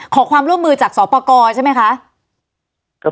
ขอความร่วมมือจากศพกรใช่มั้ยคะ